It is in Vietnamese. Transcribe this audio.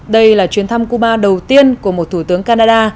đây là chuyến thăm cuba đầu tiên của một thủ tướng canada